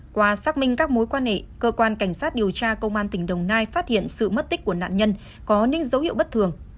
qua xác minh các mối quan hệ cơ quan cảnh sát điều tra công an tỉnh đồng nai phát hiện sự mất tích của nạn nhân có những dấu hiệu bất thường